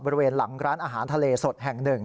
บริเวณหลังร้านอาหารทะเลสดแห่ง๑